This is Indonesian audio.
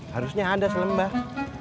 harusnya ada selembah